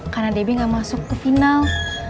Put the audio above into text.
karena debbie gak masuk ke final